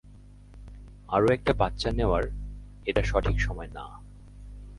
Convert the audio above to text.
আরো একটা বাচ্চা নেওয়ার এটা সঠিক সময় না।